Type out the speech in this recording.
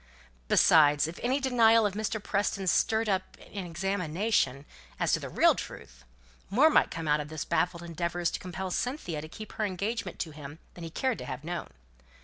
Besides, if any denial of Mr. Preston's stirred up an examination as to the real truth, more might come out of his baffled endeavours to compel Cynthia to keep to her engagement to him than he cared to have known.